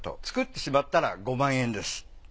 作ってしまったら５万円です。